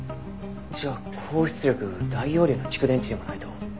じゃあ高出力大容量の蓄電池でもないと。